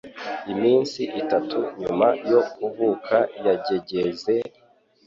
Iminsi itatu nyuma yo kuvuka yagegeze,